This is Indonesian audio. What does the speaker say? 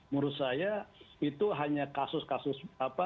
menurut saya itu hanya kasus kasus apa